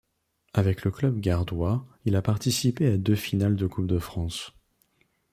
Avec le club gardois il a participé à deux finales de Coupe de France.